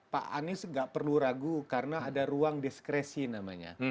pak anies nggak perlu ragu karena ada ruang diskresi namanya